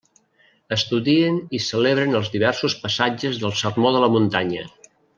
Estudien i celebren els diversos passatges del Sermó de la Muntanya.